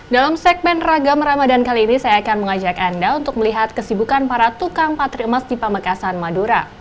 dalam segmen ragam ramadan kali ini saya akan mengajak anda untuk melihat kesibukan para tukang patri emas di pamekasan madura